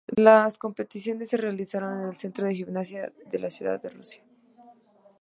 Las competiciones se realizaron en el Centro de Gimnasia de la ciudad rusa.